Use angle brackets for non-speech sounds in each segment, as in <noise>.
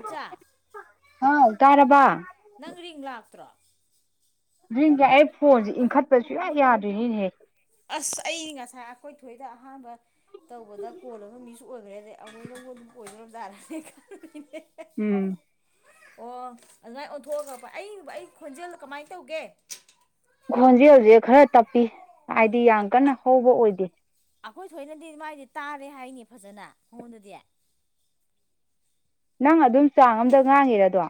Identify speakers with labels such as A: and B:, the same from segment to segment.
A: ꯏꯆꯥ
B: ꯑꯥꯎ ꯇꯥꯔꯕ
A: ꯅꯪ ꯔꯤꯡ ꯂꯥꯛꯇ꯭ꯔꯣ
B: ꯔꯤꯡ ꯂꯥꯛꯑꯦ ꯐꯣꯟꯁꯦ ꯏꯟꯈꯠꯄ ꯁꯨꯛꯌꯥ ꯌꯥꯗ꯭ꯔꯤꯅꯤꯍꯦ
A: ꯑꯁ ꯑꯩ ꯉꯁꯥꯏ ꯑꯩꯈꯣꯏ ꯊꯣꯏꯗ ꯑꯍꯥꯟꯕ ꯇꯧꯕꯗ ꯀꯣꯜ ꯑꯃ ꯃꯤꯁ ꯑꯣꯏꯒ꯭ꯔꯦꯅꯦ ꯑꯃꯨꯛꯅ ꯑꯃꯨꯛ ꯑꯣꯏꯗꯧꯔꯕ ꯖꯥꯠꯂ ꯈꯪꯗꯦꯅꯦꯍꯦ
B: ꯎꯝ
A: ꯑꯣ ꯑꯗꯨꯃꯥꯏꯅ ꯑꯣꯟꯊꯣꯛꯑꯒ ꯄꯥꯏ ꯑꯩ ꯑꯩ ꯈꯣꯟꯖꯦꯜ ꯀꯃꯥꯏꯅ ꯇꯧꯒꯦ
B: ꯈꯣꯟꯖꯦꯜꯁꯦ ꯈꯔ ꯇꯞꯄꯤ ꯍꯥꯏꯗꯤ ꯌꯥꯝ ꯀꯟꯅ ꯍꯧꯕ ꯑꯣꯏꯗꯦ
A: ꯑꯩꯈꯣꯏ ꯊꯣꯏꯅꯗꯤ ꯃꯥꯏꯗꯤ ꯇꯥꯔꯦ ꯍꯥꯏꯅꯦ ꯐꯖꯅ ꯃꯉꯣꯟꯗꯗꯤ
B: ꯅꯪ ꯑꯗꯨꯝ ꯆꯥꯡ ꯑꯝꯗ ꯉꯥꯡꯉꯤꯔꯑꯗꯣ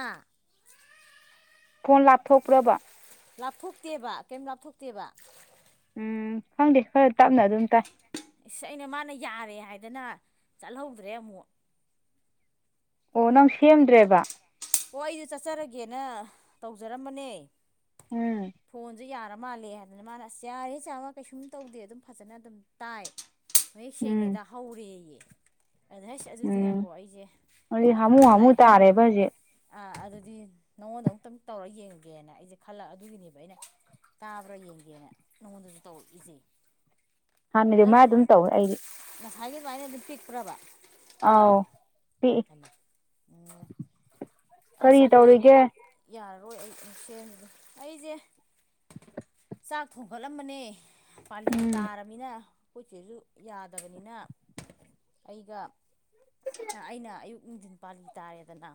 A: ꯑꯥ
B: ꯐꯣꯟ ꯂꯥꯞꯊꯣꯛꯄ꯭ꯔꯕ
A: ꯂꯥꯞꯊꯣꯛꯇꯦꯕ ꯀꯩꯝ ꯂꯥꯞꯊꯣꯛꯇꯦꯕ
B: ꯎꯝ ꯈꯪꯗꯦ ꯈꯔ ꯇꯞꯅ ꯑꯗꯨꯝ ꯇꯥꯏ
A: ꯏꯁ ꯑꯩꯅ ꯃꯥꯅ ꯌꯥꯔꯦ ꯍꯥꯏꯗꯅ ꯆꯠꯍꯧꯗ꯭ꯔꯦ ꯑꯃꯨꯛ
B: ꯑꯣ ꯅꯪ ꯁꯦꯝꯗ꯭ꯔꯦꯕ
A: ꯍꯣ ꯑꯩꯗꯣ ꯆꯠꯆꯔꯒꯦꯅ ꯇꯧꯖꯔꯝꯕꯅꯦ
B: ꯎꯝ
A: ꯐꯣꯟ ꯖꯤꯛ ꯌꯥꯔ ꯃꯥꯜꯂꯦ ꯍꯥꯏꯗꯅ ꯃꯥꯅ ꯑꯁ ꯌꯥꯔꯦ ꯆꯦꯌꯥꯏꯃ ꯀꯩꯁꯨꯝ ꯇꯧꯗꯦ ꯑꯗꯨꯝ ꯐꯖꯅ ꯑꯗꯨꯝ ꯇꯥꯏ ꯃꯌꯦꯛ
B: ꯎꯝ
A: ꯁꯦꯡꯉꯦꯗ ꯍꯧꯔꯦꯌꯦ ꯑꯗ ꯍꯩꯁ ꯑꯗꯨꯗꯤ ꯉꯥꯏꯈꯣ
B: ꯎꯝ
A: ꯑꯩꯖꯦ
B: ꯑꯗꯨꯗꯤ ꯍꯥꯃꯨ ꯍꯥꯃꯨ ꯇꯥꯔꯦꯕ ꯍꯧꯖꯤꯛ
A: ꯑꯥ ꯑꯗꯨꯗꯤ ꯅꯉꯣꯟꯗ ꯑꯃꯨꯛꯇꯪ ꯇꯧꯔꯒ ꯌꯦꯡꯉꯒꯦꯅ ꯑꯩꯁꯦ ꯈꯜꯂ ꯑꯗꯨꯒꯤꯅꯦꯕ ꯑꯩꯅ ꯇꯥꯕ꯭ꯔꯥ ꯌꯦꯡꯒꯦꯅ ꯅꯉꯣꯟꯗꯁꯨ ꯇꯧꯔꯛꯏꯁꯦ
B: ꯍꯥꯟꯅꯒꯤ ꯑꯗꯨꯃꯥꯏꯅ ꯑꯗꯨꯝ ꯇꯧꯋꯦ ꯑꯩꯗꯤ
A: ꯅꯍꯥꯟꯒꯩ ꯑꯗꯨꯃꯥꯏꯅ ꯑꯗꯨꯝ ꯄꯤꯛꯄ꯭ꯔꯕ
B: ꯑꯥꯎ ꯄꯤꯛꯏ
A: ꯍꯩꯃ ꯑꯁ
B: ꯀꯔꯤ
A: ꯑꯗꯨꯗꯤ
B: ꯇꯧꯔꯤꯒꯦ
A: ꯌꯥꯔ <unintelligible> ꯑꯩꯁꯦ ꯆꯥꯛ ꯊꯣꯡꯒꯠꯂꯝꯕꯅꯦ ꯄꯥꯜꯂꯤ
B: ꯎꯝ
A: ꯇꯥꯔꯃꯤꯅ ꯑꯩꯈꯣꯏ ꯆꯦꯁꯨ ꯌꯥꯗꯕꯅꯤꯅ ꯑꯩꯒ ꯑꯥ ꯑꯩꯅ ꯑꯌꯨꯛ ꯅꯨꯡꯗꯤꯟ ꯄꯥꯜꯂꯤ ꯇꯥꯔꯦꯗꯅ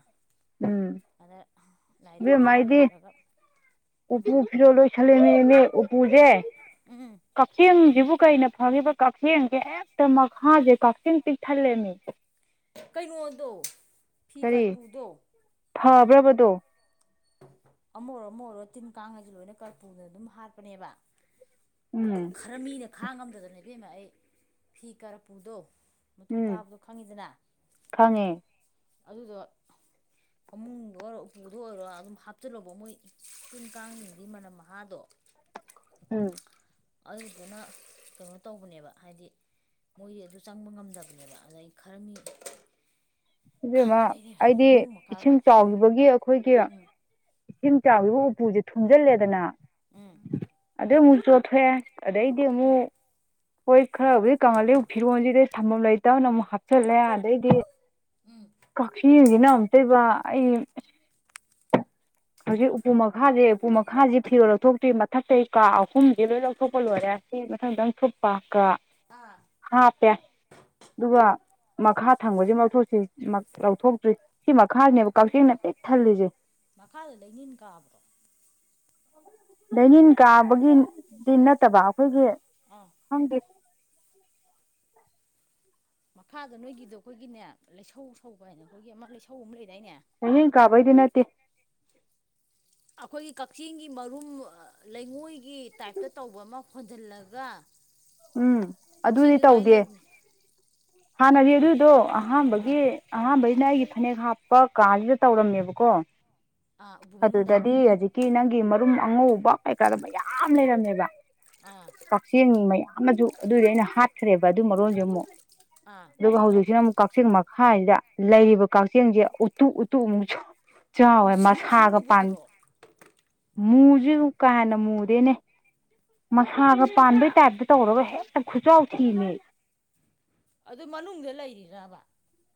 B: ꯎꯝ
A: ꯑꯗ ꯂꯥꯏꯙꯨꯛ
B: ꯏꯕꯦꯝꯃ
A: ꯊꯥ
B: ꯑꯩꯗꯤ
A: ꯂꯣꯏꯔꯒ
B: ꯎꯄꯨ ꯐꯤꯔꯣꯜ ꯂꯣꯏꯁꯟ ꯂꯝꯃꯤꯅꯦꯃꯤ ꯎꯄꯨꯁꯦ
A: ꯎꯝ
B: ꯀꯛꯆꯦꯡ ꯖꯤꯕꯨ ꯀꯩꯅ ꯐꯒꯦꯕ ꯀꯥꯛꯆꯦꯡꯁꯦ ꯍꯦꯛꯇ ꯃꯈꯥꯁꯦ ꯀꯥꯛꯆꯦꯡ ꯄꯤꯛ ꯊꯜꯂꯦꯃꯤ
A: ꯀꯩꯅꯣꯗꯣ ꯐꯤ
B: ꯀꯔꯤ
A: ꯀꯔꯄꯨꯔꯗꯣ
B: ꯐꯕ꯭ꯔꯕ ꯑꯗꯣ
A: ꯑꯃ ꯑꯣꯏꯔꯣ ꯑꯃ ꯑꯣꯏꯔꯣ ꯇꯤꯟ ꯀꯥꯡ ꯍꯥꯏꯁꯦ ꯂꯣꯏꯅ ꯀꯥꯔꯄꯨꯅ ꯑꯗꯨꯝ ꯍꯥꯠꯄꯅꯦꯕ
B: ꯎꯝ
A: ꯈꯔ ꯃꯤꯅ ꯈꯥꯡ ꯉꯝꯗꯗꯅ ꯏꯕꯦꯝꯃ ꯑꯩ ꯐꯤ ꯀꯥꯔꯄꯨꯗꯣ ꯃꯇꯨꯡ
B: ꯎꯝ
A: ꯇꯥꯕꯗꯣ ꯈꯪꯉꯤꯗꯅ
B: ꯈꯪꯉꯦ
A: ꯑꯗꯨꯗꯣ ꯐꯃꯨꯡꯗ ꯑꯣꯏꯔꯣ ꯎꯄꯨꯗ ꯑꯣꯏꯔꯣ ꯑꯗꯨꯝ ꯍꯥꯞꯆꯤꯜꯂꯣꯕ ꯃꯣꯏ ꯇꯤꯟ ꯀꯥꯡꯖꯤꯡꯖꯤꯒꯤ ꯃꯅꯝ ꯃꯍꯥꯗꯣ
B: ꯎꯝ
A: ꯑꯗꯨꯗꯨꯅ ꯀꯩꯅꯣ ꯇꯧꯕꯅꯦꯕ ꯍꯥꯏꯗꯤ ꯃꯣꯏꯗꯤ ꯑꯗꯨ ꯆꯪꯕ ꯉꯝꯗꯕꯅꯦꯕ ꯑꯗꯩ ꯈꯔꯃꯤ
B: ꯏꯕꯦꯝꯃ ꯑꯩꯗꯤ ꯏꯁꯤꯡ ꯆꯥꯎꯒꯤꯕꯒꯤ ꯑꯩꯈꯣꯏꯒꯤ
A: ꯎꯝ
B: ꯏꯁꯤꯡ ꯆꯥꯎꯒꯤꯕ ꯎꯄꯨꯁꯦ ꯊꯨꯝꯖꯤꯜꯂꯦꯗꯅ
A: ꯎꯝ
B: ꯑꯗꯨ ꯑꯃꯨꯛ ꯆꯣꯠꯊꯣꯛꯑꯦ ꯑꯗꯩꯗꯤ ꯑꯃꯨꯛ ꯍꯣꯏ ꯈꯔꯕꯨꯗꯤ ꯀꯪꯍꯜꯂꯦꯕꯨ ꯐꯤꯔꯣꯟꯁꯤꯗꯤ ꯊꯝꯐꯝ ꯂꯩꯇꯕꯅ ꯑꯃꯨꯛ ꯍꯥꯞꯆꯤꯜꯂꯦ ꯑꯗꯩꯗꯤ
A: ꯎꯝ
B: ꯀꯥꯛꯆꯦꯡꯖꯤꯅ ꯑꯃꯨꯛꯇꯣꯏꯕ ꯑꯩ ꯑꯁ
A: <inaudible>
B: ꯍꯧꯖꯤꯛ ꯎꯄꯨ ꯃꯈꯥꯁꯦ ꯎꯄꯨ ꯃꯈꯥꯁꯦ ꯐꯤꯔꯣꯜ ꯂꯧꯊꯣꯛꯇꯦ ꯃꯊꯛꯇꯩ ꯀꯥ ꯑꯍꯨꯝꯗꯤ ꯂꯣꯏ ꯂꯧꯊꯣꯛꯄ ꯂꯣꯏꯔꯦ ꯃꯊꯪ ꯃꯊꯪ ꯊꯨꯞꯄ ꯀꯥ
A: ꯑꯥ
B: ꯍꯥꯞꯄꯦ ꯑꯗꯨꯒ ꯃꯈꯥ ꯊꯪꯕꯖꯤꯃ ꯂꯧꯊꯣꯛꯇ꯭ꯔꯤ ꯂꯧꯊꯣꯛꯇ꯭ꯔꯤ ꯁꯤ ꯃꯈꯥꯁꯤꯅꯦꯕ ꯀꯛꯆꯦꯡꯅ ꯄꯤꯛ ꯊꯜꯂꯤꯁꯦ
A: ꯃꯈꯥꯗ ꯂꯩꯅꯤꯟ ꯀꯥꯕ꯭ꯔꯣ
B: ꯂꯥꯏꯅꯤꯟ ꯀꯥꯕꯒꯤꯗꯤ ꯅꯠꯇꯕ ꯑꯈꯣꯏꯒꯤ
A: ꯑꯥ
B: ꯈꯪꯗꯦ <inaudible>
A: ꯃꯈꯥꯗ ꯅꯣꯏꯒꯤꯗꯣ ꯑꯈꯣꯏꯒꯤꯅꯦ ꯂꯩꯁꯧ ꯁꯧꯕ ꯍꯥꯏꯅ ꯑꯈꯣꯏꯒꯤ ꯑꯃ ꯂꯩꯁꯧ ꯑꯃ ꯂꯩꯗꯥꯏꯅꯦ
B: ꯂꯩꯅꯤꯟ ꯀꯥꯕꯩꯗꯤ ꯅꯠꯇꯦ
A: ꯑꯈꯣꯏꯒꯤ ꯀꯛꯆꯦꯡꯒꯤ ꯃꯔꯨꯝ ꯂꯩꯉꯣꯏꯒꯤ ꯇꯥꯏꯞꯇ ꯇꯧꯕ ꯑꯃ ꯍꯣꯟꯖꯜꯂꯒ
B: ꯎꯝ ꯑꯗꯨꯗꯤ ꯇꯧꯗꯦ
A: ꯂꯩꯕꯅꯦ
B: ꯍꯥꯟꯅ <unintelligible> ꯑꯍꯥꯟꯕꯒꯤ
A: ꯑꯥ
B: ꯑꯍꯥꯟꯕꯩ ꯑꯩꯒꯤ ꯐꯅꯦꯛ ꯍꯥꯞꯄ ꯀꯥꯁꯤꯗ ꯇꯧꯔꯝꯃꯦꯕꯀꯣ
A: ꯑꯥ ꯎꯄꯨ ꯃꯅꯨꯡꯗ
B: ꯑꯗꯨꯗꯗꯤ ꯍꯧꯖꯤꯛꯀꯤ ꯅꯪꯒꯤ ꯃꯔꯨꯝ ꯑꯉꯧꯕ ꯀꯩꯀꯥꯗꯣ ꯃꯌꯥꯝ ꯂꯩꯔꯝꯃꯦꯕ
A: ꯑꯥ
B: ꯀꯛꯆꯦꯡ ꯃꯌꯥꯝ ꯃꯖꯨ ꯑꯗꯨꯏꯗꯤ ꯑꯩꯅ ꯍꯥꯠꯈ꯭ꯔꯦꯕ ꯑꯗꯨ ꯃꯔꯣꯟꯖꯦ ꯑꯃꯨꯛ
A: ꯑꯥ
B: ꯑꯗꯨꯒ ꯍꯧꯖꯤꯛꯁꯤꯅ ꯑꯃꯨꯛ ꯀꯛꯆꯦꯡ ꯈꯥꯖꯤꯗ ꯂꯩꯔꯤꯕ ꯀꯛꯆꯦꯡꯁꯦ ꯎꯇꯨꯄ ꯎꯇꯨꯄ ꯃꯨꯛ ꯆꯥꯎꯋꯦ
A: ꯃꯨꯁꯤꯟ ꯃꯨꯁꯤꯟ
B: ꯃꯁꯥꯒ ꯄꯥꯟ
A: ꯃꯨꯕꯗꯨꯔꯣ
B: ꯃꯨ ꯖꯨ ꯀꯥ ꯍꯦꯟꯅꯥ ꯃꯨꯗꯦꯅꯦ ꯃꯁꯥꯒ ꯄꯥꯟꯕꯩ ꯇꯥꯏꯞ ꯇꯧꯔꯒ ꯍꯦꯛꯇ ꯈꯨꯆꯥꯎ ꯊꯤꯃꯤ
A: ꯑꯗꯨ ꯃꯅꯨꯡꯗ ꯂꯩꯔꯤꯔꯕ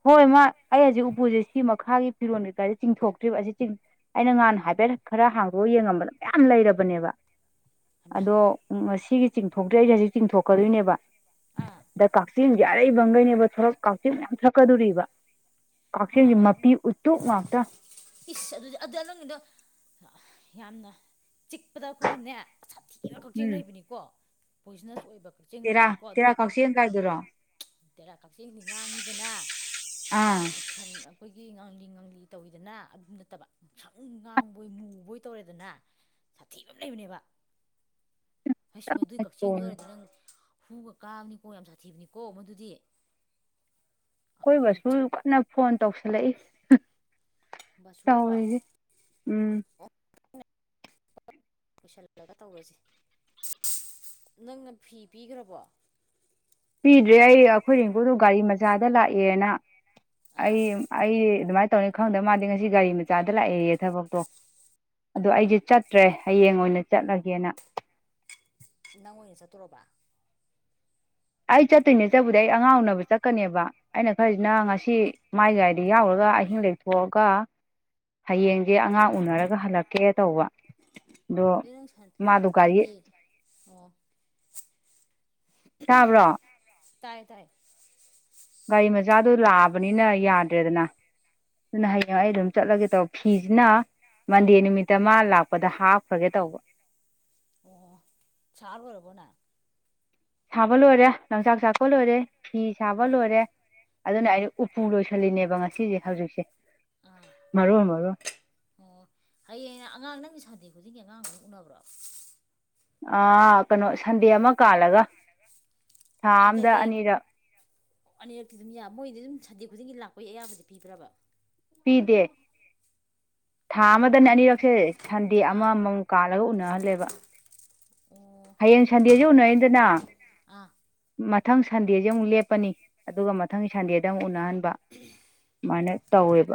B: ꯍꯣꯏ ꯃꯥ ꯑꯩ ꯍꯧꯖꯤꯛ ꯎꯄꯨꯁꯤ ꯁꯤ ꯃꯈꯥꯒꯤ ꯐꯤꯔꯣꯟ ꯀꯩꯀꯥꯥꯁꯦ ꯆꯤꯡꯊꯣꯛꯇ꯭ꯔꯤꯕ ꯑꯁꯤ ꯆꯤꯡ ꯑꯩꯅ ꯉꯍꯥꯟ ꯍꯥꯏꯐꯦꯠ ꯈꯔ ꯍꯥꯡꯗꯣꯀꯑꯥ ꯌꯦꯡꯉꯝꯕꯗ ꯃꯌꯥꯝ ꯂꯩꯔꯕꯅꯦꯕ
A: ꯍꯩꯃꯥ
B: ꯑꯗꯣ ꯉꯁꯤꯒꯤ ꯆꯤꯡꯊꯣꯛꯠꯔꯤ ꯑꯩꯁꯦ ꯍꯧꯖꯤꯛ ꯆꯤꯡꯊꯣꯛꯀꯗꯣꯏꯅꯦꯕ
A: ꯑꯥ
B: ꯑꯗ ꯀꯥꯛ ꯀꯛꯆꯦꯡ ꯑꯥꯔꯩꯕꯥꯒꯩꯅꯦꯕꯥ ꯊꯣꯔꯛ ꯀꯛꯆꯦꯡ ꯃꯌꯥꯝ ꯊꯣꯛꯂꯛꯀꯗꯣꯔꯤꯕꯥ
A: ꯈꯣꯏ ꯅꯍꯥꯟꯋꯥꯏꯗꯤ ꯏꯁ ꯑꯗꯨꯗꯤ ꯑꯗ ꯅꯪꯒꯤꯗꯣ ꯌꯥꯝꯅ ꯆꯤꯛꯄꯗ ꯑꯩꯈꯣꯏꯒꯤ ꯅꯦ ꯁꯥꯊꯤꯕ ꯀꯛꯆꯦꯡ
B: ꯎꯝ
A: ꯂꯩꯕꯅꯤꯀꯣ ꯄꯣꯏꯖꯅꯁ ꯑꯣꯏꯕ ꯀꯛꯆꯦꯡ
B: ꯇꯦꯔꯥ
A: ꯂꯩꯕꯅꯤꯀꯣ ꯑꯗꯨ
B: ꯇꯦꯔꯥ ꯀꯛꯆꯦꯡ ꯀꯥꯏꯗꯨꯔꯣ
A: ꯇꯦꯔꯥ ꯀꯛꯆꯦꯡꯗꯤ ꯉꯥꯡꯉꯤꯗꯅ
B: ꯑꯥ
A: ꯁꯪ ꯑꯈꯣꯏꯒꯤ ꯉꯥꯡꯂꯤ ꯉꯥꯡꯂꯤ ꯇꯧꯋꯤꯗꯅ ꯑꯗꯨ ꯅꯠꯇꯕ ꯉꯁꯪ ꯉꯥꯡꯕꯣꯏ ꯃꯨꯕꯣꯏ ꯇꯧꯔꯦꯗꯅ ꯁꯥꯊꯤ ꯑꯃ ꯂꯩꯕꯅꯦꯕ ꯍꯥꯏꯁ ꯃꯗꯨꯏ ꯀꯛꯆꯦꯡꯗꯣ
B: ꯑꯩꯈꯣꯏ
A: ꯑꯣꯏꯔꯗꯤ ꯅꯪ ꯍꯨꯒ ꯀꯥꯕꯅꯤꯀꯣ ꯌꯥꯝ ꯁꯥꯊꯤꯕꯅꯤꯀꯣ ꯃꯗꯨꯗꯤ
B: ꯀꯣꯏ
A: ꯑꯗꯨ
B: ꯕꯁꯨꯖꯨ ꯀꯟꯅ ꯐꯣꯟ ꯇꯧꯁꯜꯂꯛꯏ ꯍ
A: ꯕꯁꯨꯨꯨꯔꯣ
B: ꯎꯝ
A: <unintelligible> ꯂꯣꯏꯁꯤꯜꯂꯒ ꯇꯧꯔꯁꯦ ꯅꯪꯅ ꯐꯤ ꯄꯤꯒ꯭ꯔꯕꯣ
B: ꯄꯤꯗ꯭ꯔꯤ ꯑꯩ ꯑꯩꯈꯣꯏ ꯔꯦꯡꯒꯣꯗꯣ ꯒꯥꯔꯤ ꯃꯆꯥꯗ ꯂꯥꯛꯑꯦꯅ
A: ꯑꯥ
B: ꯑꯩ ꯑꯩ ꯑꯗꯨꯃꯥꯏꯅ ꯇꯧꯅꯤ ꯈꯪꯗꯝꯅ ꯃꯥꯗꯤ ꯉꯁꯤ ꯒꯥꯔꯤ ꯃꯆꯥꯗ ꯂꯥꯛꯑꯦꯌꯦ ꯊꯕꯛꯇꯣ ꯑꯗꯣ ꯑꯩꯖꯦ ꯆꯠꯇ꯭ꯔꯦ ꯍꯌꯦꯡ ꯑꯣꯏꯅ ꯆꯠꯂꯒꯦꯅ
A: ꯅꯪ ꯑꯣꯏꯅ ꯆꯠꯇꯣꯔꯕ
B: ꯑꯩ ꯆꯠꯇꯣꯏꯅꯦ ꯆꯠꯄꯨꯗꯤ ꯑꯩ ꯑꯉꯥꯡ ꯎꯅꯕ ꯆꯠꯀꯅꯦꯕ ꯑꯩꯅ ꯈꯜꯂꯤꯁꯤꯅ ꯉꯁꯤ ꯃꯥꯏ ꯒꯥꯔꯤꯗ ꯌꯥꯎꯒ꯭ꯔꯒ ꯑꯍꯤꯡ ꯂꯩꯊꯣꯛꯑꯒ ꯍꯌꯦꯡꯖꯦ ꯑꯉꯥꯡ ꯎꯅꯔꯒ ꯍꯜꯂꯛꯀꯦ ꯇꯧꯕ ꯑꯗꯣ
A: ꯑꯗꯨ ꯅꯪ ꯁꯟ
B: ꯃꯥꯗꯣ ꯒꯥꯔꯤ
A: ꯁꯟꯗꯦ ꯑꯣ
B: ꯇꯥꯕ꯭ꯔꯣ
A: ꯇꯥꯏꯌꯦ ꯇꯥꯏ
B: ꯆꯥꯗꯣ ꯂꯥꯛꯑꯕꯅꯤꯅ ꯌꯥꯗ꯭ꯔꯦꯗꯅ ꯑꯗꯨꯅ ꯍꯌꯦꯡ ꯑꯩ ꯑꯗꯨꯝ ꯆꯠꯂꯒꯦ ꯇꯧꯕ ꯐꯤꯁꯤꯅ ꯃꯟꯗꯦ ꯅꯨꯃꯤꯠꯇ ꯃꯥ ꯂꯥꯛꯄꯗ ꯍꯥꯞꯈ꯭ꯔꯒꯦ ꯇꯧꯕ
A: ꯑꯣ ꯁꯥ ꯂꯣꯏꯔꯕꯣ ꯅꯪ
B: ꯁꯥꯕ ꯂꯣꯏꯔꯦ ꯂꯪꯆꯥꯛ ꯆꯥꯛꯄ ꯂꯣꯏꯔꯦ ꯐꯤ ꯁꯥꯕ
A: ꯑꯥ
B: ꯂꯣꯏꯔꯦ ꯑꯗꯨꯅ
A: ꯑꯥ
B: ꯑꯩꯖꯦ ꯎꯄꯨ ꯂꯣꯏꯁꯤꯜꯂꯤꯅꯦꯕ ꯉꯁꯤꯁꯦ ꯍꯧꯖꯤꯛꯁꯦ
A: ꯑꯥ
B: ꯃꯔꯣꯟ ꯃꯔꯣꯟ
A: ꯍꯌꯦꯡꯅ ꯑꯉꯥꯡ ꯅꯪꯖꯦ ꯁꯥꯟꯗꯦ ꯈꯨꯗꯤꯡꯒꯤ ꯑꯉꯥꯡ ꯑꯗꯨꯝ ꯎꯅꯕ꯭ꯔꯣ
B: ꯑꯥ ꯀꯩꯅꯣ ꯁꯟꯗꯦ ꯑꯃ ꯀꯥꯜꯂꯒ ꯊꯥ
A: ꯑꯦ
B: ꯑꯃꯗ
A: ꯀꯩꯀꯩ
B: ꯑꯅꯤꯔꯛ
A: ꯑꯅꯤꯔꯛꯇꯤ ꯑꯗꯨꯝ ꯌꯥ ꯃꯣꯏꯗꯤ ꯑꯗꯨꯝ ꯁꯟꯗꯦ ꯈꯨꯗꯤꯡꯒꯤ ꯂꯥꯛꯄꯩ ꯑꯌꯥꯕꯗꯤ ꯄꯤꯕ꯭ꯔꯕ
B: ꯄꯤꯗꯦ ꯊꯥ
A: ꯑꯦ
B: ꯑꯃꯗ
A: ꯊꯥꯝ
B: ꯑꯅꯤꯔꯛꯁꯦ ꯁꯟꯗꯦ
A: ꯑꯥ
B: ꯑꯃꯃꯝ ꯀꯥꯜꯂꯒ ꯎꯅꯍꯜꯂꯦꯕ
A: ꯑꯣ
B: ꯍꯌꯦꯡ ꯁꯟꯗꯦꯁꯤ ꯎꯅꯔꯅꯤꯗꯅ
A: ꯑꯥ
B: ꯃꯊꯪ ꯁꯟꯗꯦꯁꯦ ꯑꯃꯨꯛ ꯂꯦꯞꯄꯥꯅꯤ ꯑꯗꯨꯒ ꯃꯊꯪꯒꯤ ꯁꯟꯗꯦꯗ ꯑꯃꯨꯛ ꯎꯅꯍꯟ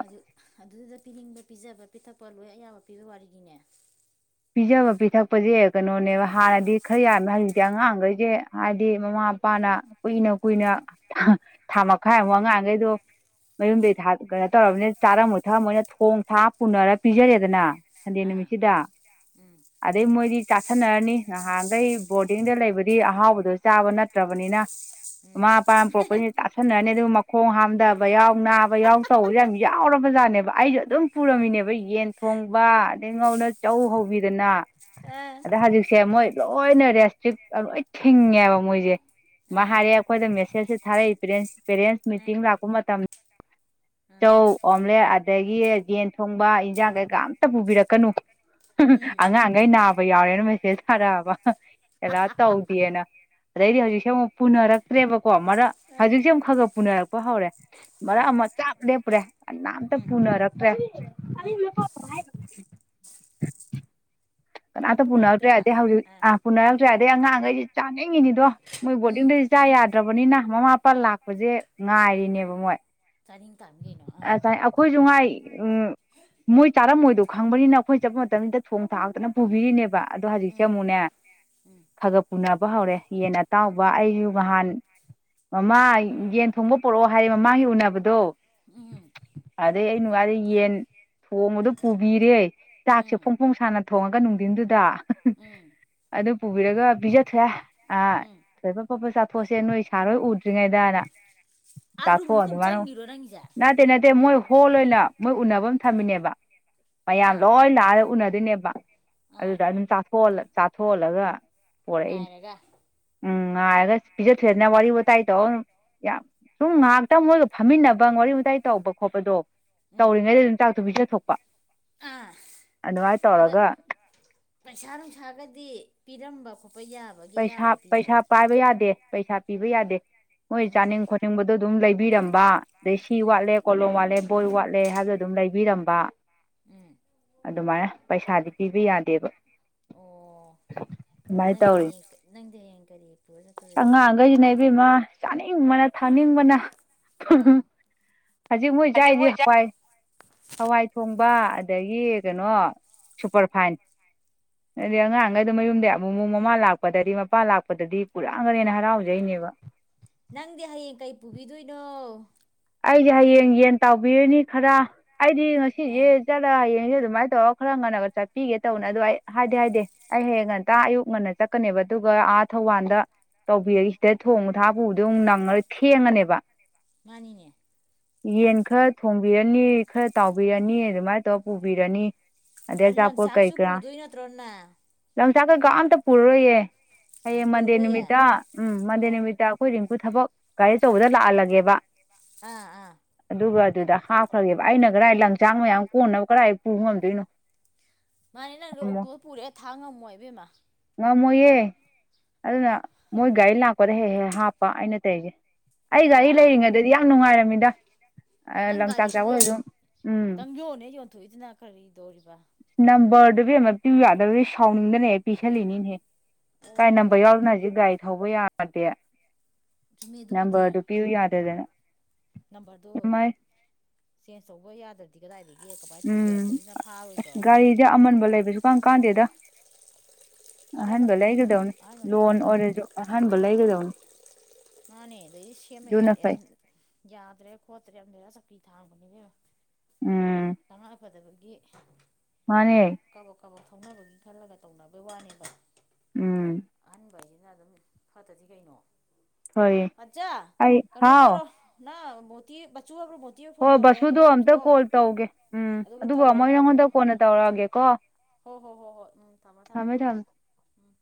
A: ꯑꯗꯨ ꯑꯗꯨꯗꯨꯗ ꯄꯤꯅꯤꯡꯕ ꯄꯤꯖꯕ ꯄꯤꯊꯛꯄ ꯂꯣꯏ ꯑꯌꯥꯕ ꯄꯤꯕꯩ ꯋꯥꯔꯤꯅꯤꯅꯦ
B: ꯄꯤꯖꯕ ꯄꯤꯊꯛꯄꯁꯦ ꯀꯩꯅꯣꯅꯦꯕ ꯍꯥꯟꯅꯗꯤ ꯈꯔ ꯌꯥꯔꯝꯃꯦ ꯍꯧꯖꯤꯛꯇꯤ ꯑꯉꯥꯡꯈꯩꯁꯦ ꯍꯥꯏꯗꯤ ꯃꯃꯥ ꯃꯄꯥꯅ ꯀꯨꯏꯅ ꯀꯨꯏꯅ
A: ꯎꯝ
B: ꯊꯥ ꯃꯈꯥꯏ ꯑꯃꯨꯛ ꯑꯉꯥꯡꯈꯩꯗꯣ ꯃꯌꯨꯝꯗꯩ ꯊ ꯀꯩꯅꯣ ꯇꯧꯔꯝꯅꯤꯅ ꯆꯥꯔꯝꯃꯣꯏ ꯊꯛꯑꯝꯃꯣꯏꯅ ꯊꯣꯡ ꯊꯥꯛꯑ ꯄꯨꯅꯔ ꯄꯤꯖꯔꯦꯗꯅ ꯁꯟꯗꯦ
A: ꯑꯥ
B: ꯅꯨꯃꯤꯠꯁꯤꯗ
A: <inaudible>
B: ꯑꯗꯩ ꯃꯣꯏꯗꯤ ꯆꯥꯁꯟꯅꯔꯅꯤ ꯅꯍꯥꯟꯗꯩ ꯕꯣꯔꯗꯤꯡꯗ ꯂꯩꯕꯗꯤ ꯑꯍꯥꯎꯕꯗꯣ ꯆꯥꯕ ꯅꯠꯇ꯭ꯔꯕꯅꯤꯅ
A: ꯎꯝ
B: ꯃꯃꯥ ꯃꯄꯥꯅ ꯄꯨꯔꯛꯄꯁꯤꯡ ꯆꯥꯁꯟꯅꯔꯅꯤ ꯑꯗꯨꯒ ꯃ ꯈꯣꯡ ꯍꯥꯝꯊꯕ ꯌꯥꯎ ꯅꯥꯕ ꯌꯥꯎ ꯇꯧꯕꯁꯦ ꯌꯥꯝ ꯌꯥꯎꯔꯕꯖꯥꯠꯅꯦꯕ ꯑꯩꯁꯨ ꯑꯗꯨꯝ ꯄꯨꯔꯝꯃꯤꯅꯦꯕ ꯌꯦꯟ ꯊꯣꯡ ꯊꯣꯡꯕ ꯑꯗꯩ ꯉꯩꯗꯅ ꯆꯧ ꯍꯧ ꯕꯤꯗꯅ
A: ꯑ
B: ꯑꯗ ꯍꯧꯖꯤꯛꯁꯦ ꯃꯣꯏ ꯂꯣꯏꯅ ꯔꯦꯁꯇ꯭ꯔꯤꯛ ꯂꯣꯏ ꯊꯤꯡꯉꯦꯕ ꯃꯣꯏꯁꯦ
A: ꯑ
B: ꯃꯥ
A: ꯑ
B: ꯍꯥꯏꯔꯦ ꯑꯩꯈꯣꯏꯗ ꯃꯦꯁꯦꯁꯁꯦ ꯊꯥꯔꯛꯏ ꯄꯦꯔꯦꯟꯁ ꯃꯤꯇꯤꯡ ꯂꯥꯛꯄ ꯃꯇꯝ ꯆꯧ ꯑꯣꯝꯂꯦꯠ ꯑꯗꯒꯤ ꯌꯦꯟ ꯊꯣꯡꯕ ꯏꯟꯁꯥꯡ ꯀꯩꯀꯥ ꯑꯝꯇ ꯄꯨꯕꯤꯔꯛꯀꯅꯨ
A: ꯎꯝ
B: ꯑꯉꯥꯡꯈꯩ ꯅꯥꯕ ꯌꯥꯎꯔꯦꯅ ꯃꯦꯁꯦꯁ ꯊꯥꯔꯛꯑꯕ
A: ꯑ
B: ꯑꯦꯂꯥꯔꯠ ꯇꯧꯗꯦꯅ ꯑꯗꯩꯗꯤ ꯍꯧꯖꯤꯛꯁꯦ ꯑꯃꯨꯛ ꯄꯨꯅꯔꯛꯇ꯭ꯔꯦꯕꯀꯣ ꯃꯔꯛ
A: ꯑ
B: ꯍꯖꯤꯛꯁꯦ ꯑꯃꯨꯛ ꯈꯔ ꯈꯔ ꯄꯨꯅꯔꯛꯄ ꯍꯧꯔꯦ
A: ꯑ
B: ꯃꯔꯛ ꯑꯃ ꯆꯞ ꯂꯦꯞꯄꯨꯔꯦ ꯀꯅꯥꯝꯇ
A: ꯎꯝ
B: ꯄꯨꯅꯔꯛꯇ꯭ꯔꯦ
A: ꯎꯝ ꯀꯅꯥꯝ
B: ꯀꯅꯥꯝꯇ ꯄꯨꯅꯔꯛꯇ꯭ꯔꯦ
A: ꯄꯨꯅꯔꯛꯇ꯭ꯔꯕ
B: ꯑꯗꯩ ꯍꯧꯖꯤꯛ
A: ꯑ
B: ꯑꯥ ꯄꯨꯅꯔꯛꯇ꯭ꯔꯦ ꯑꯗꯩ ꯑꯉꯥꯡꯈꯩꯁꯤ ꯆꯥꯅꯤꯡꯉꯤꯅꯤꯗꯣ ꯃꯣꯏ
A: ꯎꯝ
B: ꯕꯣꯔꯗꯤꯡꯗꯩ ꯆꯥ ꯌꯥꯗ꯭ꯔꯕꯅꯤꯅ ꯃꯃꯥ ꯃꯄꯥ ꯂꯥꯛꯄꯁꯦ ꯉꯥꯏꯔꯤꯅꯦꯕ ꯃꯣꯏ
A: ꯆꯥꯅꯤꯡ ꯇꯥꯝꯅꯤ ꯀꯩꯅꯣ ꯑꯥ
B: ꯑꯁꯥꯏ ꯑꯩꯈꯣꯏꯁꯨ ꯉꯥꯏ ꯎꯝ ꯃꯣꯏ ꯆꯥꯔꯝꯃꯣꯏꯗꯣ ꯈꯪꯕꯅꯤꯅ ꯑꯩꯈꯣꯏ ꯆꯠꯄ ꯇꯝꯗ ꯊꯣꯡ ꯊꯥꯛꯇꯅ ꯄꯨꯕꯤꯔꯤꯅꯦꯕ ꯑꯗꯣ ꯍꯧꯖꯤꯛꯁꯦ
A: ꯎꯝ
B: ꯑꯃꯨꯛꯅꯦ ꯈꯔ
A: ꯎꯝ
B: ꯈꯔ ꯄꯨꯅ ꯕ ꯍꯧꯔꯦ ꯌꯦꯟ ꯑꯇꯥꯎꯕ ꯑꯩꯁꯨ ꯅꯍꯥꯟ ꯃꯃꯥ ꯌꯦꯟ ꯊꯣꯡꯕ ꯄꯣꯔꯛꯑꯣ ꯍꯥꯏꯔꯦ ꯃꯃꯥꯡꯒꯤ ꯎꯅꯕꯗꯣ
A: ꯎꯝ
B: ꯑꯗꯩ ꯑꯩ ꯅꯨꯉꯥꯂ ꯌꯦꯟ ꯊꯣꯡꯕꯗꯣ ꯄꯨꯕꯤꯔꯦ ꯆꯥꯛꯁꯦ
A: ꯎꯝ
B: ꯐꯣꯡ ꯐꯣꯡ ꯁꯥꯅ ꯊꯣꯡꯉꯒ ꯅꯨꯡꯊꯤꯟꯗꯨꯗ
A: ꯎꯝ
B: ꯑꯗꯨ ꯄꯨꯕꯤꯔꯒ ꯄꯤꯖꯊꯣꯛꯑꯦ ꯑꯥ
A: ꯎꯝ
B: ꯊꯣꯏꯕ ꯄꯕꯠ ꯆꯥꯊꯣꯛꯑꯣꯁꯦ ꯅꯣꯏ ꯁꯥꯔꯍꯣꯏ ꯎꯗ꯭ꯔꯤꯉꯩꯗꯅ
A: ꯑꯥ
B: ꯆꯥꯊꯣꯛ
A: ꯔꯨꯝꯗꯨꯗ ꯗꯨꯝ
B: ꯑꯗꯨꯃꯥꯏꯅ
A: ꯆꯪꯉꯤꯔꯣ ꯅꯪ
B: ꯅꯠꯇꯦ ꯅꯠꯇꯦ ꯃꯣꯏ ꯍꯣꯜ ꯑꯣꯏꯅ ꯃꯣꯏ ꯎꯅꯕꯝ ꯊꯝꯃꯤꯅꯦꯕ ꯃꯌꯥꯝ
A: ꯑꯥ
B: ꯂꯣꯏ ꯂꯥꯛꯑꯒ ꯎꯅꯗꯣꯏꯅꯦꯕ
A: ꯑꯥ
B: ꯑꯗꯨꯗ ꯑꯗꯨꯝ ꯆ ꯆꯥꯊꯣ ꯆꯥꯊꯣꯛꯍꯜꯂꯒ ꯄꯣꯔꯛꯏꯅꯦ
A: ꯉꯥꯏꯔꯒ
B: ꯎꯝ ꯉꯥꯏꯔꯒ ꯄꯤꯖ ꯁꯦꯅ ꯋꯥꯔꯤ ꯋꯥꯇꯥꯏ ꯇꯧꯔ
A: ꯑꯥ
B: ꯎꯝ ꯌꯥꯝ ꯁꯨꯝ ꯉꯍꯥꯛꯇꯪ ꯃꯣꯏꯒ ꯐꯝꯃꯤꯟꯅ ꯕ ꯋꯥꯔꯤ ꯋꯥꯇꯥꯏ ꯇꯧꯕ ꯈꯣꯠꯄꯗꯣ
A: ꯎꯝ
B: ꯇꯧꯔꯤꯉꯩꯗꯨꯗ ꯑꯗꯨꯝ ꯋꯥꯛꯇꯣ ꯄꯤꯖꯊꯣꯛꯄ
A: ꯑꯥ
B: ꯑꯗꯨꯃꯥꯏꯅ
A: ꯑꯗ
B: ꯇꯧꯔꯒ
A: ꯄꯩꯁꯥ ꯅꯨꯡꯁꯥꯒꯗꯤ ꯄꯤꯔꯝꯕ ꯈꯣ
B: ꯄꯩꯁꯥ ꯄꯩꯁꯥ ꯄꯥꯏꯕ ꯌꯥꯗꯦ ꯄꯩꯁꯥ ꯄꯤꯕ ꯌꯥꯗꯦ ꯃꯣꯏ
A: ꯎꯝ
B: ꯆꯥꯅꯤꯡ ꯈꯣꯠꯅꯤꯡꯕꯗꯣ ꯑꯗꯨꯝ ꯂꯩ ꯕꯤꯔꯝꯕ ꯑꯗꯩ ꯁꯤ
A: ꯎꯝ
B: ꯋꯥꯠꯂꯦ ꯀꯣꯂꯣꯝ ꯋꯥꯠꯂꯦ ꯕꯣꯏ ꯋꯥꯠꯂꯦ ꯍꯥꯏꯕꯗꯣ ꯑꯗꯨꯝ ꯂꯩꯕꯤꯔꯝꯕ
A: ꯎꯝ
B: ꯑꯗꯨꯃꯥꯏꯅ ꯄꯩꯁꯥꯗꯤ ꯄꯤꯕ ꯌꯥꯗꯦꯕ
A: ꯑꯣ
B: ꯗꯨꯃꯥꯏ
A: ꯅꯪꯗꯤ
B: ꯇꯧꯔꯤ
A: ꯍꯌꯦꯡ ꯅꯪꯗꯤ ꯍꯌꯦꯡ ꯀꯔꯤ ꯄꯨꯔ
B: ꯑꯁ
A: ꯆꯠꯇꯧꯔꯤꯕ
B: ꯑꯉꯥꯡꯈꯩꯁꯤꯅ ꯏꯕꯦꯝꯃ ꯆꯥꯅꯤꯡꯕꯅ ꯊꯥꯅꯤꯡꯕꯅ
A: ꯎꯝ
B: <unintelligible> ꯍꯧꯖꯤꯛ ꯃꯣꯏ ꯆꯥꯏꯖꯦ ꯍꯋꯥꯏ ꯍꯋꯥꯏ ꯊꯣꯡ ꯕ ꯑꯗꯒꯤ ꯀꯩꯅꯣ ꯁꯨꯄꯔ ꯐꯥꯏꯟ ꯑꯗꯗꯤ ꯑꯉꯥꯡꯒꯩꯗꯣ ꯃꯌꯨꯝꯗꯩ ꯑꯃꯨꯛ ꯃꯨꯛ ꯃꯃꯥ ꯂꯥꯛ ꯄꯗꯗꯤ ꯃꯄꯥꯥ ꯂꯥꯛꯄꯗꯗꯤ ꯄꯨꯔꯥꯛꯑꯝꯒꯅꯤꯅ ꯍꯔꯥꯎꯖꯩꯅꯦꯕ
A: ꯅꯪꯗꯤ ꯍꯌꯦꯡ ꯀꯩ ꯄꯨꯕꯤꯗꯣꯏꯅꯣ
B: ꯑꯩꯁꯦ ꯍꯌꯦꯡ ꯌꯦꯟ ꯇꯥꯎꯕꯤꯔꯅꯤ ꯈꯔ ꯑꯩꯗꯤ ꯉꯁꯤꯁꯦ
A: ꯑꯥ
B: ꯆꯠꯂ ꯍꯌꯦꯡ ꯑꯩꯖꯦ ꯑꯗꯨꯃꯥꯏꯅ ꯇꯧꯔꯒ ꯈꯔ ꯉꯟꯅꯒ ꯆꯠꯄꯤꯒꯦ ꯇꯧꯅꯦ ꯑꯗꯨ ꯑꯩ ꯍꯥꯏꯗꯤ ꯍꯥꯏꯗꯤ ꯑꯩ ꯍꯌꯦꯡ ꯉꯟꯇ ꯑꯌꯨꯛ ꯉꯟꯅ ꯆꯠꯀꯅꯤꯕ ꯑꯗꯨꯒ ꯑꯥ ꯊꯧꯕꯥꯜꯗ ꯇꯧꯕꯤꯔꯒꯦ ꯁꯤꯗ ꯊꯣꯡꯕ ꯊꯥꯛ ꯄꯨꯕꯗꯣ ꯑꯃꯨꯛ ꯅꯪꯉꯔꯣꯏ ꯊꯦꯡꯉꯅꯤꯕ
A: ꯃꯥꯅꯤꯅꯦ
B: ꯌꯦꯟ ꯈꯔ ꯊꯣꯡꯕꯤꯔꯅꯤ ꯈꯔ ꯇꯥꯎꯕꯤꯔꯅꯤ ꯑꯗꯨꯃꯥꯏꯅ ꯇꯧꯔ ꯄꯨꯕꯤꯔꯅꯤ ꯑꯗꯩ
A: ꯑ
B: ꯑꯆꯥꯄꯣꯠ
A: ꯂꯪꯆꯥꯛꯁꯨ ꯄꯨꯗꯣꯏ ꯅꯠꯇ꯭ꯔꯣ ꯅꯪ
B: ꯆꯥꯛ ꯀꯩꯀꯥ ꯑꯝꯇ ꯄꯨꯔꯔꯣꯏꯌꯦ
A: ꯑꯦ
B: ꯍꯌꯦꯡ ꯃꯟꯗꯦ
A: ꯄꯨꯔꯔꯣꯏꯌꯦ
B: ꯅꯨꯃꯤꯠꯇ ꯎꯝ ꯃꯟꯗꯦ
A: ꯑꯣ
B: ꯅꯨꯃꯤꯠꯇ ꯑꯩꯈꯣꯏ ꯑꯈꯣꯏ ꯊꯕꯛ ꯒꯥꯔꯤ ꯑꯆꯧꯕꯗ ꯂꯥꯛꯍꯜꯂꯒꯦꯕ
A: ꯑꯥ ꯑꯥ
B: ꯑꯗꯨꯒ ꯑꯗꯨꯗ ꯍꯥꯞꯈ꯭ꯔꯒꯦꯕ ꯑꯩꯅ ꯀꯗꯥꯥꯏ ꯂꯪꯆꯥꯛ ꯃꯌꯥꯝ ꯀꯣꯟꯅꯕ ꯀꯗꯥꯥꯏ ꯄꯨꯕ ꯉꯝꯗꯣꯏꯅꯣ
A: ꯃꯥꯅꯦ ꯅꯪꯗꯣ
B: ꯉꯝꯃꯣ
A: ꯑꯣꯛꯇꯣꯗ ꯄꯨꯔꯦ ꯊꯥꯡ ꯉꯝꯃꯣꯏ ꯏꯕꯦꯝꯃ
B: ꯉꯝꯃꯣꯏꯌꯦ ꯑꯗꯨꯅ ꯃꯣꯏ ꯒꯥꯔꯤ ꯂꯥꯛꯄꯗ ꯍꯦꯛ ꯍꯦꯛ ꯍꯥꯞꯄ ꯑꯩꯅ ꯇꯩꯖꯦ ꯑꯩ
A: ꯑꯗ
B: ꯒꯥꯔꯤ ꯂꯩꯔꯤꯉꯩꯗꯗꯤ ꯌꯥꯝ ꯅꯨꯡꯉꯥꯏꯔꯝꯃꯤꯗ ꯂꯪꯆꯥꯛ ꯆꯥꯛꯄ ꯑꯣꯏꯔꯁꯨ ꯑꯗꯨꯝ ꯎꯝ
A: ꯇꯟꯌꯣꯟ ꯍꯦꯛ ꯌꯣꯟꯊꯣꯛꯏꯗꯨꯅ ꯀꯔꯤꯗꯧꯔꯤꯕ
B: ꯑꯗꯨꯕꯦꯝꯃ ꯄꯤꯌꯨ ꯌꯥꯗꯕꯩ ꯁꯥꯎꯅꯤꯡꯗꯅꯍꯦꯛ ꯄꯤꯁꯜꯂꯤꯅꯤꯅꯦꯍꯦ ꯀꯥꯏ
A: ꯑꯣ
B: ꯅꯝꯕꯔ
A: ꯑꯣ
B: ꯌꯥꯎꯗꯅ ꯍꯧꯖꯤꯛ ꯒꯥꯔꯤ ꯊꯧꯕ ꯌꯥꯗꯦ
A: ꯆꯨꯝꯃꯦ ꯑꯗꯨꯕꯨꯗꯤ
B: ꯅꯝꯕꯔ ꯗꯨ ꯄꯤꯌꯨ ꯌꯥꯗꯗꯅ
A: ꯅꯝꯕꯔꯗꯣ
B: ꯏꯃꯥꯏ
A: ꯆꯦꯟꯖ ꯇꯧꯕ ꯌꯥꯗ꯭ꯔꯗꯤ ꯀꯗꯥꯏꯗꯒꯤ ꯀꯃꯥꯏꯅ ꯇꯧꯗꯣꯏꯕ
B: ꯎꯝ
A: ꯄꯨꯂꯤꯁꯅ ꯐꯥꯔꯣꯏꯗ꯭ꯔꯣ
B: ꯑꯁ ꯒꯥꯔꯤꯗꯤ ꯑꯃꯟꯕ ꯂꯩꯕ ꯁꯨꯡꯀꯥꯟ ꯀꯥꯟꯗꯦꯗ ꯑꯍꯟꯕ
A: ꯀꯥꯟꯅꯗꯕꯅꯤ ꯏꯕꯦꯝꯃ
B: ꯂꯩꯒꯗꯧꯅꯦ
A: ꯑꯍꯟ
B: ꯂꯣꯟ ꯑꯣꯏꯔꯁꯨ ꯑꯍꯟꯕ ꯂꯩꯒꯗꯧꯅꯤ
A: ꯃꯥꯟꯅꯦ ꯑꯗꯩꯗ
B: ꯑꯗꯨꯅ
A: ꯁꯦꯝꯃꯛꯑꯦ
B: ꯐꯩ
A: ꯌꯥꯗ꯭ꯔꯦ ꯈꯣꯠꯇ꯭ꯔꯦ ꯌꯥꯝ ꯚꯦꯔꯥ ꯁꯛꯀ꯭ꯔꯤ ꯊꯥꯡꯕꯅꯤ ꯏꯕꯦꯝꯃ ꯇꯉꯥꯏ ꯐꯗꯕꯒꯤ
B: ꯃꯥꯟꯅꯦ
A: ꯀꯕꯛ ꯀꯕꯛ ꯊꯧꯅꯕꯒꯤ ꯈꯜꯂꯒ ꯇꯧꯅꯕ ꯋꯥꯅꯤ
B: ꯎꯝ
A: ꯐꯥꯗꯗꯤ ꯀꯩꯅꯣ
B: ꯐꯩꯌꯦ
A: ꯃꯥꯆ
B: ꯑꯩ
A: ꯀꯩꯅꯣ
B: ꯍꯥꯎ
A: ꯇꯧꯔꯣ ꯅꯪ ꯃꯣꯇꯤꯞ
B: ꯍꯣꯏ ꯕꯥꯁꯨꯗꯣ ꯑꯝꯇ ꯀꯣꯜ ꯇꯧꯒꯦ ꯎꯝ ꯑꯗꯨꯒ ꯃꯣꯏ
A: ꯇꯧꯔꯒ
B: ꯅꯪꯉꯣꯟꯗ
A: ꯑꯃꯨꯛ
B: ꯀꯣꯟꯅ ꯇꯧꯔꯛꯑꯒꯦ ꯀꯣ ꯍ
A: ꯍꯣ ꯍꯣ ꯍꯣ ꯍꯣ ꯎꯝ ꯊꯝꯃꯣ ꯊꯝꯃꯣ ꯎꯝ ꯎꯝ